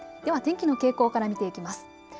では天気の傾向から見ていきます。